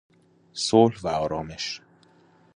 صلح و آرامش